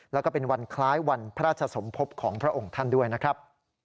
แล้วก็เป็นวันคล้ายวันพระราชสมภพของพระองค์ท่านด้วยนะครับ